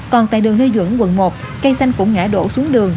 còn tại đường lê duẩn quận một cây xanh cũng ngã đổ xuống đường